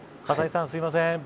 葛西さん、すいません。